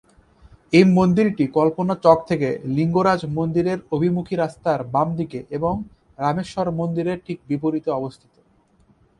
এই মন্দিরটি কল্পনা চক থেকে লিঙ্গরাজ মন্দিরের অভিমুখী রাস্তার বাম দিকে এবং রামেশ্বর মন্দিরের ঠিক বিপরীতে অবস্থিত।